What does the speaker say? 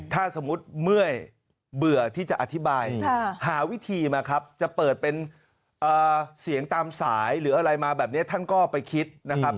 ถ้าสมมุติเมื่อเบื่อที่จะอธิบายหาวิธีมาครับจะเปิดเป็นเสียงตามสายหรืออะไรมาแบบนี้ท่านก็ไปคิดนะครับ